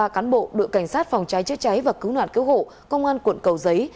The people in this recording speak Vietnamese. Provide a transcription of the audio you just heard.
ba cán bộ đội cảnh sát phòng cháy chữa cháy và cứu nạn cứu hộ công an quận cầu giấy